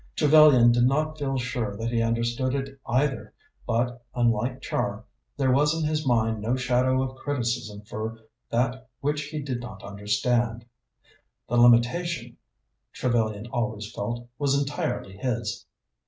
Trevellyan did not feel sure that he understood it, either, but, unlike Char, there was in his mind no shadow of criticism for that which he did not understand. The limitation, Trevellyan always felt, was entirely his.